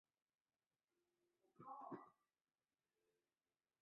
第二次世界大战和第一次世界大战一样对飞机业产生了巨大的推动作用。